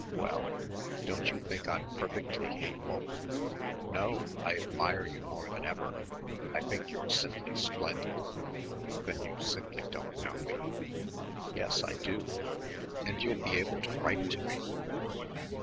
"Well don't you think I'm perfectly hateful?" "No. I admire you more than ever. I think you're simply splendid." "Then you simply don't know me." "Yes I do. And you'll be able to write to me."